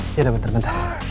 ya udah bentar bentar